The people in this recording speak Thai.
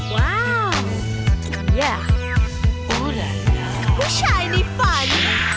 ว้าวผู้ชายในฝัน